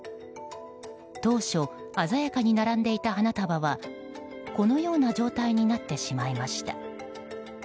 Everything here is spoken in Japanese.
当初、鮮やかに並んでいた花束はこのような状態になってしまいました。